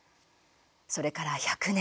それから１００年